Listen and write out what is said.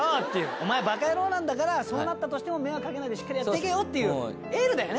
「お前バカヤロなんだからそうなったとしても迷惑掛けないでしっかりやってけよ」っていうエールだよね。